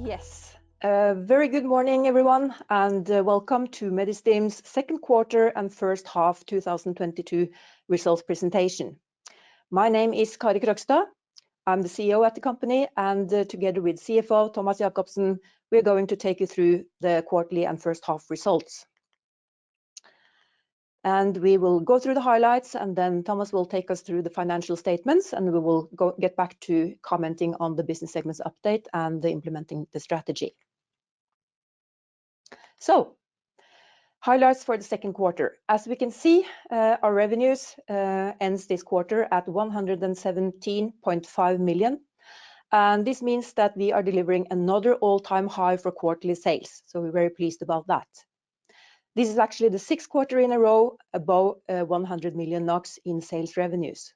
Yes. Very good morning everyone, and welcome to Medistim's second quarter and first half 2022 results presentation. My name is Kari Krogstad. I'm the CEO at the company, and together with CFO Thomas Jakobsen, we're going to take you through the quarterly and first half results. We will go through the highlights, and then Thomas will take us through the financial statements, and we will get back to commenting on the business segments update and implementing the strategy. Highlights for the second quarter. As we can see, our revenues ends this quarter at 117.5 million, and this means that we are delivering another all-time high for quarterly sales. We're very pleased about that. This is actually the sixth quarter in a row above 100 million NOK in sales revenues.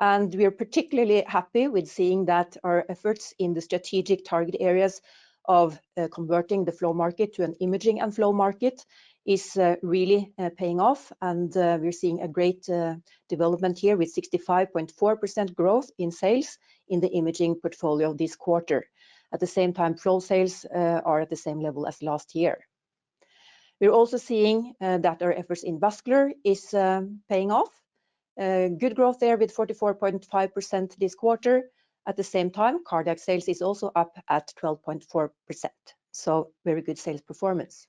We are particularly happy with seeing that our efforts in the strategic target areas of converting the flow market to an imaging and flow market is really paying off. We're seeing a great development here with 65.4% growth in sales in the imaging portfolio this quarter. At the same time, flow sales are at the same level as last year. We're also seeing that our efforts in vascular is paying off. Good growth there with 44.5% this quarter. At the same time, cardiac sales is also up at 12.4%. Very good sales performance.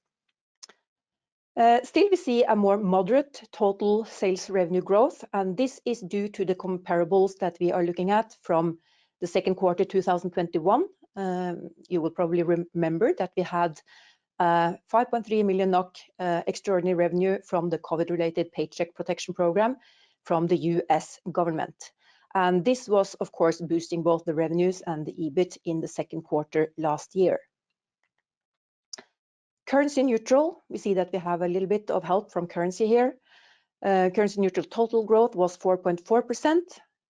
Still we see a more moderate total sales revenue growth, and this is due to the comparables that we are looking at from the second quarter, 2021. You will probably remember that we had 5.3 million NOK extraordinary revenue from the COVID-related Paycheck Protection Program from the U.S. government. This was of course boosting both the revenues and the EBIT in the second quarter last year. Currency-neutral, we see that we have a little bit of help from currency here. Currency-neutral total growth was 4.4%.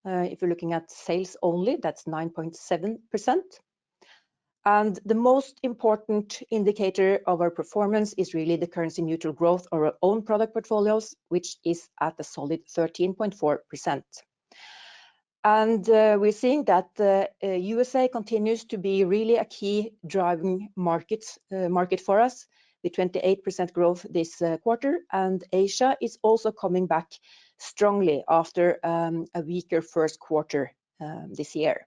If you're looking at sales only, that's 9.7%. The most important indicator of our performance is really the currency-neutral growth of our own product portfolios, which is at a solid 13.4%. We're seeing that the USA continues to be really a key driving market for us, with 28% growth this quarter. Asia is also coming back strongly after a weaker first quarter this year.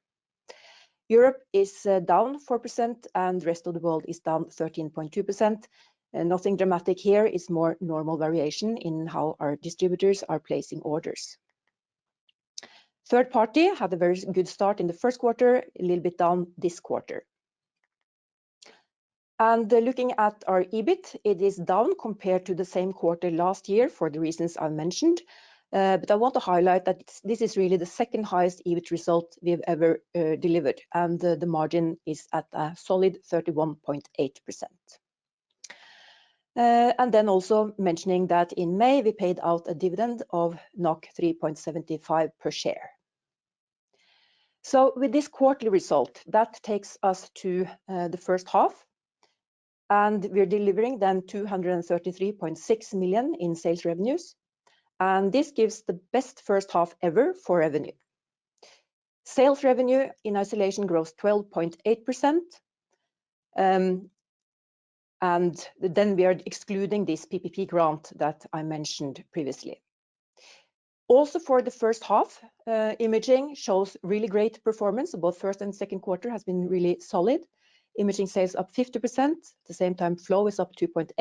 Europe is down 4% and rest of the world is down 13.2%. Nothing dramatic here, it's more normal variation in how our distributors are placing orders. Third-party had a very good start in the first quarter, a little bit down this quarter. Looking at our EBIT, it is down compared to the same quarter last year for the reasons I mentioned. I want to highlight that this is really the second-highest EBIT result we've ever delivered, and the margin is at a solid 31.8%. Also mentioning that in May, we paid out a dividend of 3.75 per share. With this quarterly result, that takes us to the first half, and we're delivering then 233.6 million in sales revenues, and this gives the best first half ever for revenue. Sales revenue in isolation grows 12.8%. We are excluding this PPP grant that I mentioned previously. Also for the first half, imaging shows really great performance. Both first and second quarter has been really solid. Imaging sales up 50%. At the same time, flow is up 2.8%.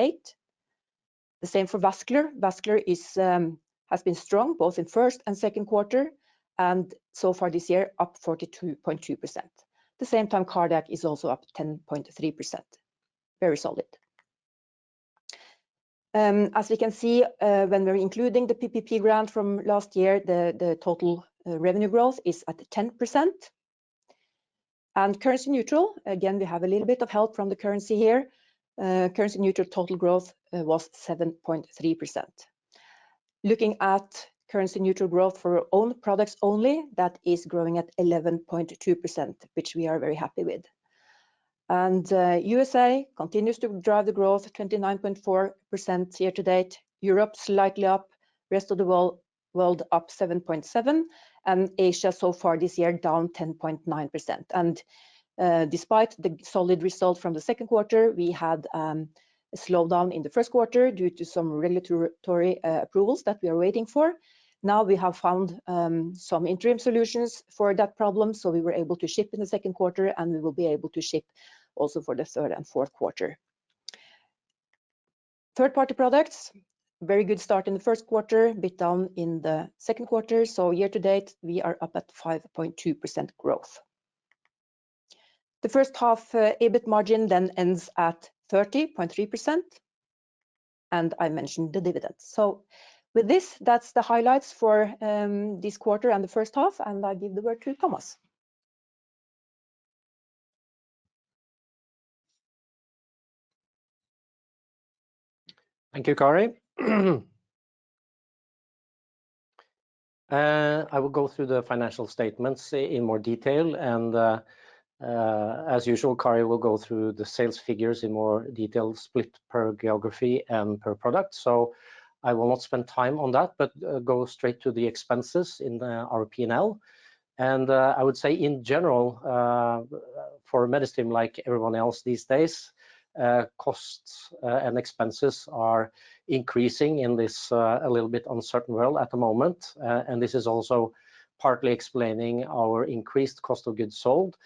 The same for vascular. Vascular is, has been strong both in first and second quarter, and so far this year, up 42.2%. At the same time, cardiac is also up 10.3%. Very solid. As we can see, when we're including the PPP grant from last year, the total revenue growth is at 10%. Currency neutral, again, we have a little bit of help from the currency here. Currency-neutral total growth was 7.3%. Looking at currency-neutral growth for our own products only, that is growing at 11.2%, which we are very happy with. USA continues to drive the growth at 29.4% year-to-date. Europe slightly up. Rest of the world up 7.7%. Asia so far this year, down 10.9%. Despite the solid result from the second quarter, we had a slowdown in the first quarter due to some regulatory approvals that we are waiting for. Now we have found some interim solutions for that problem, so we were able to ship in the second quarter, and we will be able to ship also for the third and fourth quarter. Third-party products, very good start in the first quarter, a bit down in the second quarter. Year-to-date, we are up at 5.2% growth. The first half, EBIT margin then ends at 30.3%, and I mentioned the dividends. With this, that's the highlights for this quarter and the first half, and I give the word to Thomas. Thank you, Kari. I will go through the financial statements in more detail and, as usual, Kari will go through the sales figures in more detail, split per geography and per product. I will not spend time on that, but go straight to the expenses in the P&L. I would say in general, for Medistim, like everyone else these days, costs and expenses are increasing in this, a little bit uncertain world at the moment. This is also partly explaining our increased cost of goods sold.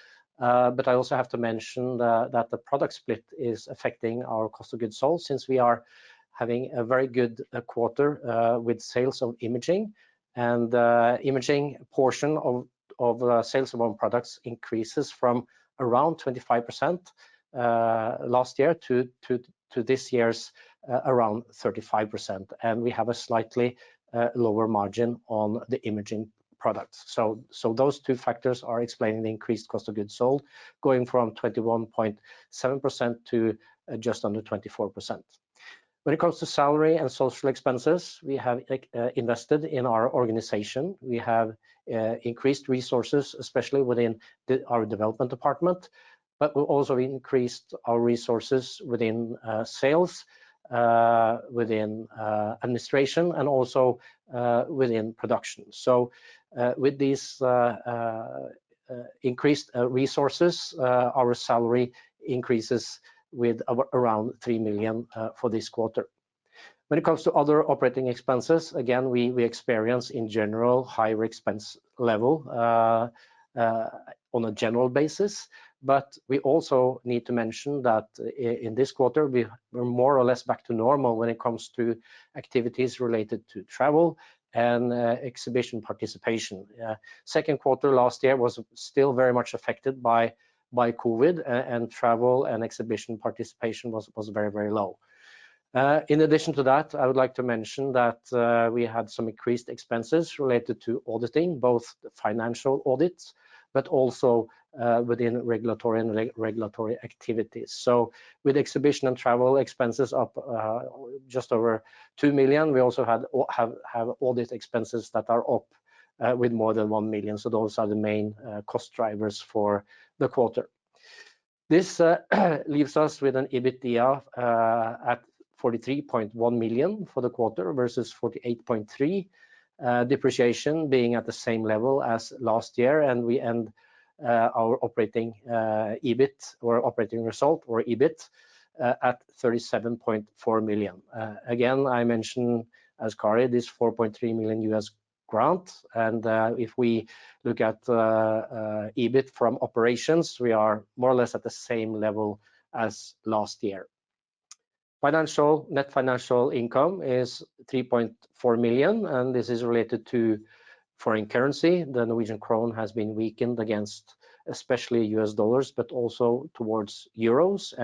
I also have to mention that the product split is affecting our cost of goods sold since we are having a very good quarter with sales of imaging. Imaging portion of sales of our products increases from around 25% last year to this year's around 35%. We have a slightly lower margin on the imaging products. Those two factors are explaining the increased cost of goods sold going from 21.7% to just under 24%. When it comes to salary and social expenses, we have like invested in our organization. We have increased resources, especially within our development department, but we've also increased our resources within sales, within administration, and also within production. With these increased resources, our salary increases with around 3 million for this quarter. When it comes to other operating expenses, again, we experience in general higher expense level on a general basis. We also need to mention that in this quarter, we're more or less back to normal when it comes to activities related to travel and exhibition participation. Second quarter last year was still very much affected by COVID and travel and exhibition participation was very low. In addition to that, I would like to mention that we had some increased expenses related to auditing, both financial audits, but also within regulatory activities. With exhibition and travel expenses up just over 2 million, we also had audit expenses that are up with more than 1 million. Those are the main cost drivers for the quarter. This leaves us with an EBITDA at 43.1 million for the quarter, versus 48.3 million. Depreciation being at the same level as last year. We end our operating EBIT or operating result or EBIT at 37.4 million. Again, I mention, as Kari, this $4.3 million U.S. grant. If we look at EBIT from operations, we are more or less at the same level as last year. Net financial income is 3.4 million, and this is related to foreign currency. The Norwegian krone has been weakened against especially U.S. dollars, but also towards euros.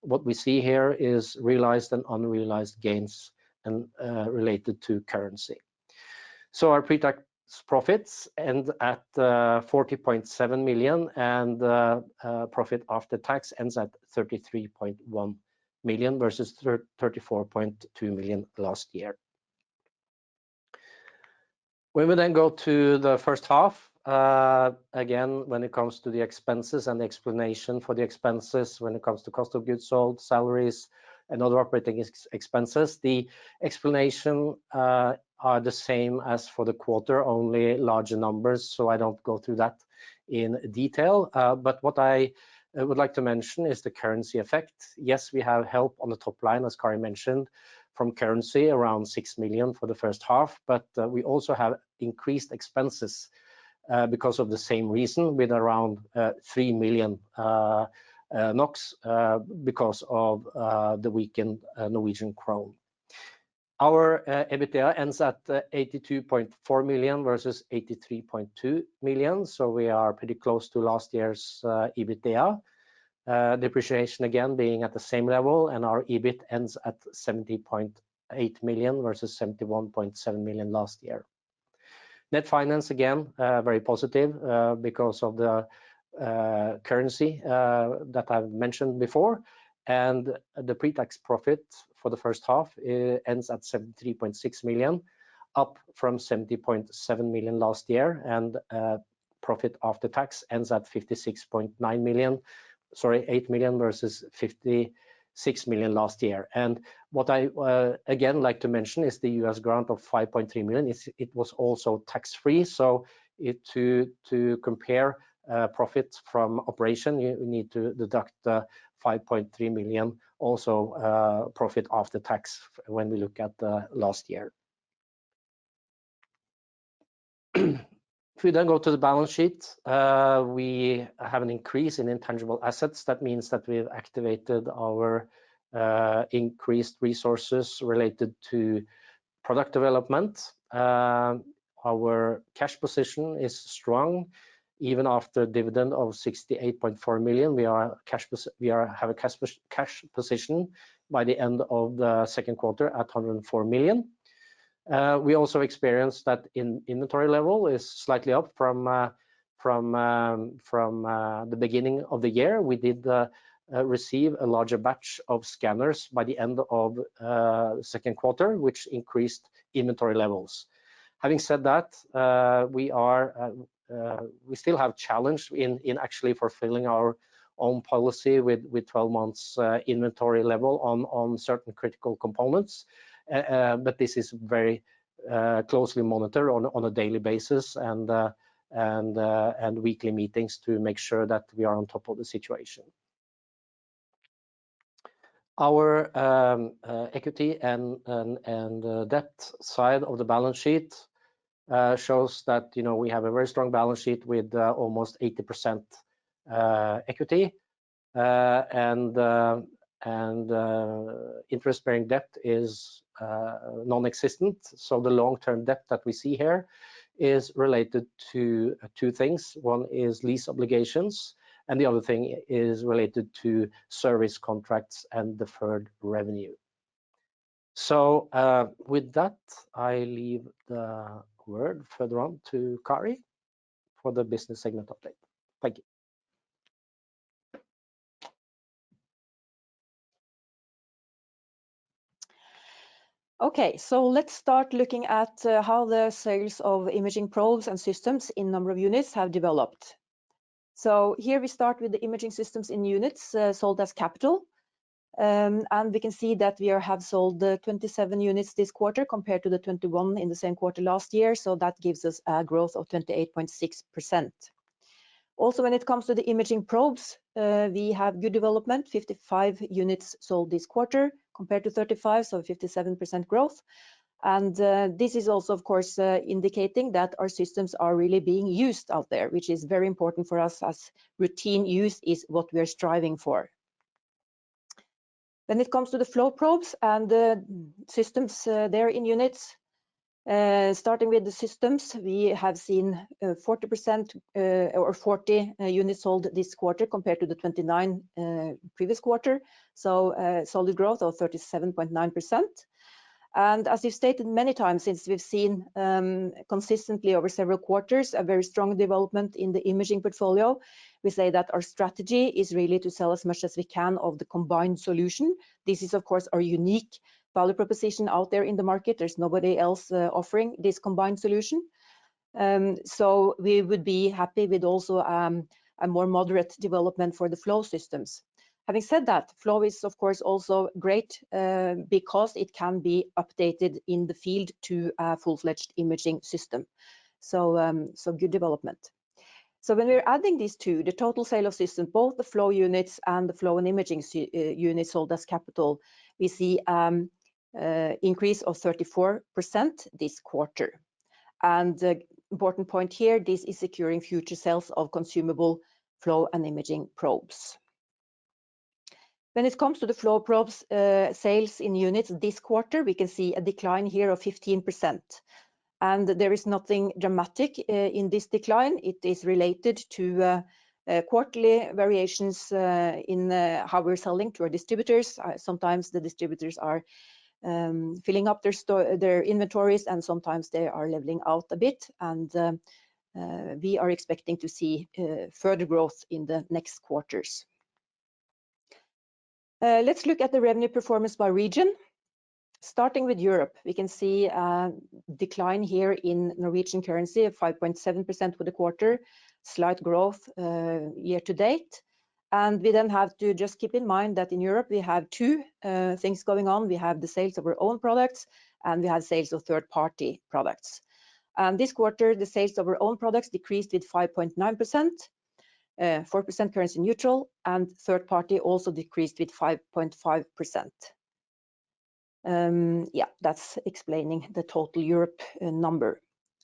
What we see here is realized and unrealized gains and related to currency. Our pre-tax profits end at 40.7 million and profit after tax ends at 33.1 million, versus 34.2 million last year. When we then go to the first half, again, when it comes to the expenses and the explanation for the expenses, when it comes to cost of goods sold, salaries, and other operating expenses, the explanation are the same as for the quarter, only larger numbers, so I don't go through that in detail. What I would like to mention is the currency effect. Yes, we have help on the top line, as Kari mentioned, from currency around 6 million for the first half, but we also have increased expenses because of the same reason with around 3 million NOK because of the weakened Norwegian krone. Our EBITDA ends at 82.4 million versus 83.2 million. We are pretty close to last year's EBITDA. Depreciation again being at the same level, and our EBIT ends at 70.8 million, versus 71.7 million last year. Net finance, again, very positive, because of the currency that I've mentioned before. The pretax profit for the first half ends at 73.6 million, up from 70.7 million last year. Profit after tax ends at 56.8 million versus 56 million last year. What I again like to mention is the US grant of $5.3 million; it was also tax-free. To compare profits from operation, you need to deduct the 5.3 million, also profit after tax, when we look at the last year. If we then go to the balance sheet, we have an increase in intangible assets. That means that we've activated our increased resources related to product development. Our cash position is strong. Even after dividend of 68.4 million, we have a cash position by the end of the second quarter at 104 million. We also experienced that inventory level is slightly up from the beginning of the year. We did receive a larger batch of scanners by the end of second quarter, which increased inventory levels. Having said that, we still have challenge in actually fulfilling our own policy with 12 months inventory level on certain critical components. This is very closely monitored on a daily basis and weekly meetings to make sure that we are on top of the situation. Our equity and debt side of the balance sheet shows that, you know, we have a very strong balance sheet with almost 80% equity. Interest-bearing debt is non-existent. The long-term debt that we see here is related to two things. One is lease obligations, and the other thing is related to service contracts and deferred revenue. With that, I leave the word further on to Kari for the business segment update. Thank you. Okay, let's start looking at how the sales of imaging probes and systems in number of units have developed. Here we start with the imaging systems in units sold as capital. We can see that we have sold 27 units this quarter compared to the 21 in the same quarter last year. That gives us a growth of 28.6%. Also, when it comes to the imaging probes, we have good development, 55 units sold this quarter compared to 35, so 57% growth. This is also of course indicating that our systems are really being used out there, which is very important for us as routine use is what we are striving for. When it comes to the flow probes and the systems, they're in units, starting with the systems, we have seen 40 units sold this quarter compared to the 29 previous quarter. Solid growth of 37.9%. As we've stated many times since we've seen consistently over several quarters a very strong development in the imaging portfolio, we say that our strategy is really to sell as much as we can of the combined solution. This is of course our unique value proposition out there in the market. There's nobody else offering this combined solution. We would be happy with a more moderate development for the flow systems. Having said that, flow is of course also great because it can be updated in the field to a full-fledged imaging system. Good development. When we're adding these two, the total sale of system, both the flow units and the flow and imaging units sold as capital, we see increase of 34% this quarter. Important point here, this is securing future sales of consumable flow and imaging probes. When it comes to the flow probes, sales in units this quarter, we can see a decline here of 15%. There is nothing dramatic in this decline. It is related to quarterly variations in how we're selling to our distributors. Sometimes the distributors are filling up their inventories, and sometimes they are leveling out a bit. We are expecting to see further growth in the next quarters. Let's look at the revenue performance by region. Starting with Europe, we can see a decline here in Norwegian currency of 5.7% for the quarter, slight growth year to date. We then have to just keep in mind that in Europe we have two things going on. We have the sales of our own products, and we have sales of third-party products. This quarter, the sales of our own products decreased with 5.9%, 4% currency neutral, and third-party also decreased with 5.5%. That's explaining the total Europe in number.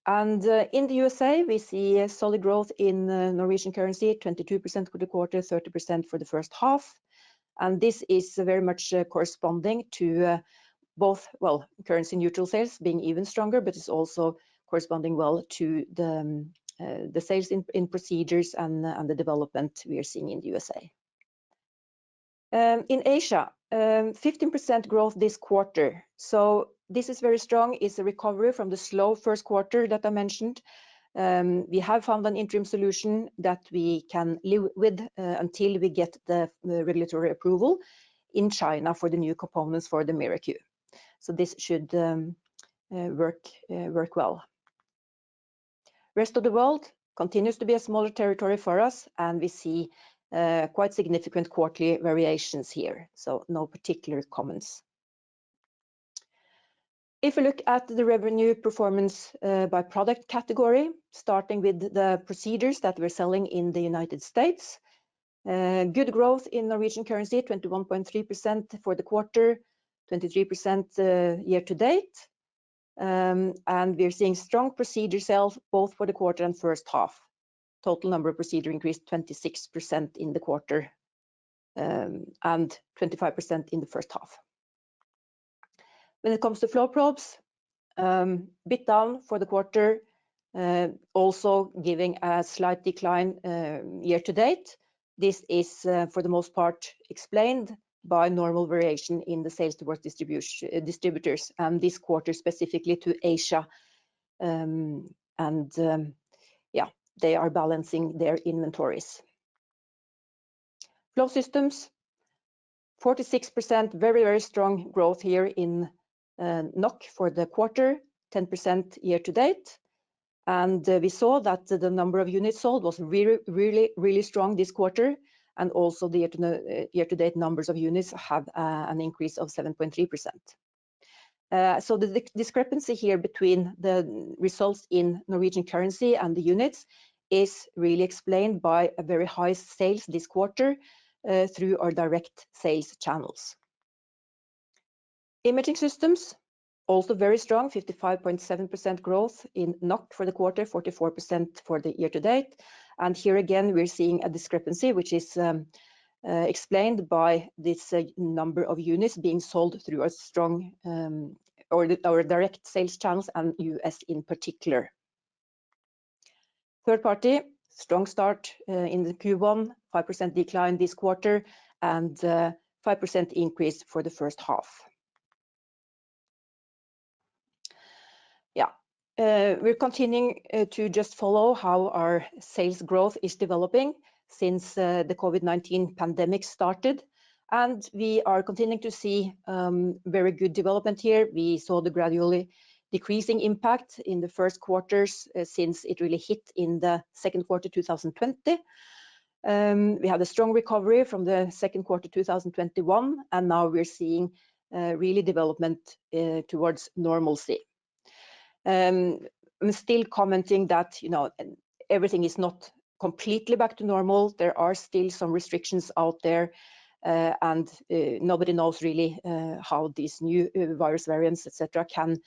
In the USA, we see a solid growth in Norwegian currency, 22% for the quarter, 30% for the first half. This is very much corresponding to both, well, currency-neutral sales being even stronger, but it's also corresponding well to the sales in procedures and the development we are seeing in the USA. In Asia, 15% growth this quarter. This is very strong. It's a recovery from the slow first quarter that I mentioned. We have found an interim solution that we can live with until we get the regulatory approval in China for the new components for the MiraQ. This should work well. Rest of the world continues to be a smaller territory for us, and we see quite significant quarterly variations here. No particular comments. If we look at the revenue performance by product category, starting with the procedures that we're selling in the United States, good growth in Norwegian currency, 21.3% for the quarter, 23% year to date. We are seeing strong procedure sales both for the quarter and first half. Total number of procedures increased 26% in the quarter and 25% in the first half. When it comes to flow probes, a bit down for the quarter and also having a slight decline year to date. This is for the most part explained by normal variation in the sales towards distributors, and this quarter specifically to Asia. They are balancing their inventories. Flow systems, 46%, very, very strong growth here in NOK for the quarter, 10% year to date. We saw that the number of units sold was really, really strong this quarter. Also the year to date numbers of units have an increase of 7.3%. So the discrepancy here between the results in Norwegian currency and the units is really explained by a very high sales this quarter through our direct sales channels. Imaging systems, also very strong, 55.7% growth in NOK for the quarter, 44% for the year to date. Here again, we're seeing a discrepancy which is explained by this number of units being sold through our direct sales channels and the US in particular. Third party, strong start in the Q1, 5% decline this quarter, and 5% increase for the first half. Yeah, we're continuing to just follow how our sales growth is developing since the COVID-19 pandemic started. We are continuing to see very good development here. We saw the gradually decreasing impact in the first quarters since it really hit in the second quarter 2020. We had a strong recovery from the second quarter 2021, and now we're seeing really development towards normalcy. I'm still commenting that, you know, everything is not completely back to normal. There are still some restrictions out there, and nobody knows really how these new virus variants, et cetera, can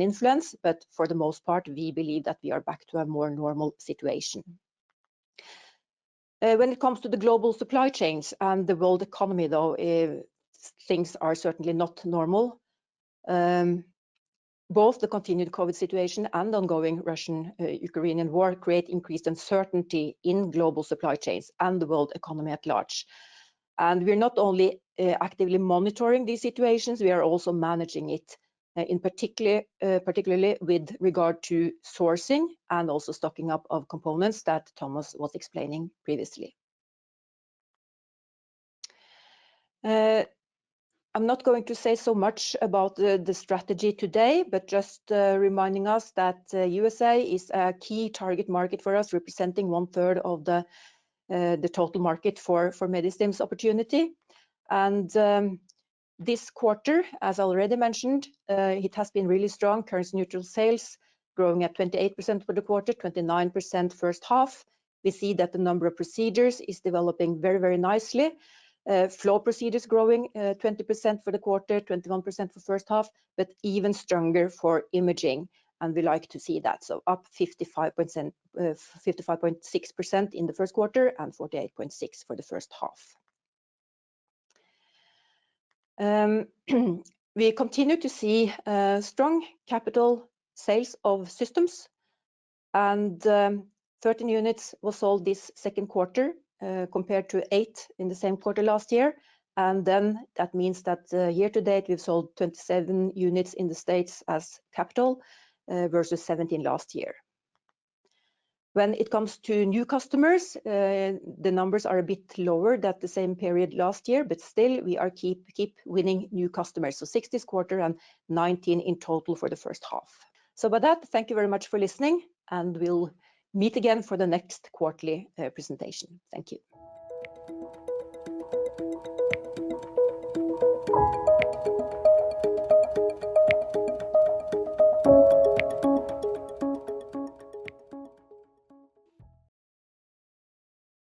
influence. For the most part, we believe that we are back to a more normal situation. When it comes to the global supply chains and the world economy, though, things are certainly not normal. Both the continued COVID situation and ongoing Russian Ukrainian war create increased uncertainty in global supply chains and the world economy at large. We're not only actively monitoring these situations, we are also managing it in particular, particularly with regard to sourcing and also stocking up of components that Thomas was explaining previously. I'm not going to say so much about the strategy today, but just reminding us that USA is a key target market for us, representing 1/3 of the total market for Medistim's opportunity. This quarter, as already mentioned, it has been really strong. Currency-neutral sales growing at 28% for the quarter, 29% first half. We see that the number of procedures is developing very, very nicely. Flow procedures growing 20% for the quarter, 21% for first half, but even stronger for imaging, and we like to see that. Up 55%, 55.6% in the first quarter and 48.6% for the first half. We continue to see strong capital sales of systems, and 13 units were sold this second quarter, compared to eight in the same quarter last year. That means that year to date, we've sold 27 units in the States as capital, versus 17 last year. When it comes to new customers, the numbers are a bit lower than the same period last year, but still we keep winning new customers. Six this quarter and 19 in total for the first half. With that, thank you very much for listening, and we'll meet again for the next quarterly presentation. Thank you.